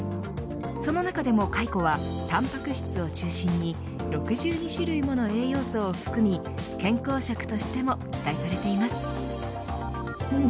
その中でもカイコはタンパク質を中心に６２種類もの栄養素を含み健康食としても期待されています。